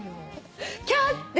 「キャー！」って